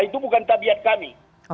itu bukan tabiat kami